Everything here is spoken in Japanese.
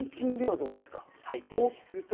近々ではどうですか？